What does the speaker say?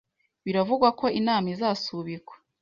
Biravugwa ko inama izasubikwa